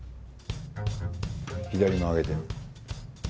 左も上げて。